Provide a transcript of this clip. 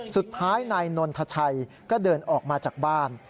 สุดท้ายนายนนทชัยก็เดินออกมาจากบ้าน